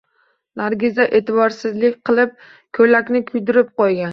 Nargiza e`tiborsizlik qilib ko`ylakni kuydirib qo`ygan